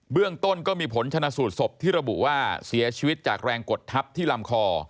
เรื่องต้นก็มีผลชนะสูตรศพที่ระบุว่าเสียชีวิตจากแรงกดทับที่ลำคอ